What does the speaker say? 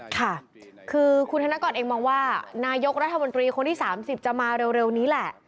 ค่ะคือคุณธนกรเองมองว่านายกรัฐมนตรีคนที่๓๐จะมาเร็วนี้แหละ